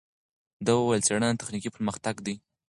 ده وویل، څېړنه تخنیکي پرمختګ دی.